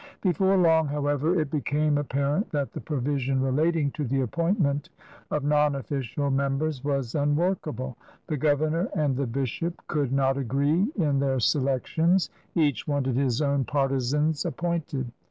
Before long, however, it became apparent that the provision relating to the appointment of non official members was unworkable. The governor and the bishop could not agree in their selections; each wanted his own 64 CRUSADERS OF NEW FRANCE partisans appointed.